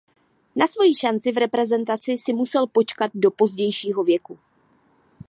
Na svojí šanci v reprezentaci si musel počkat do pozdějšího věku.